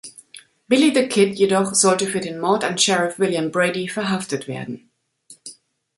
Billy the Kid jedoch sollte für den Mord an Sheriff William Brady verhaftet werden.